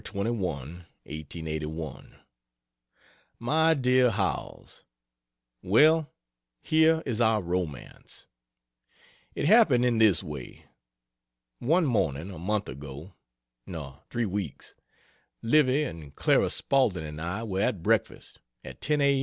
21, 1881. MY DEAR HOWELLS, Well, here is our romance. It happened in this way. One morning, a month ago no, three weeks Livy, and Clara Spaulding and I were at breakfast, at 10 A.